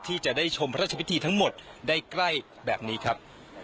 ที่จะได้ชมพระราชพิธีทั้งหมดได้ใกล้แบบนี้ครับ